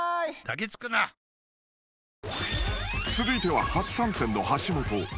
［続いては初参戦の橋本。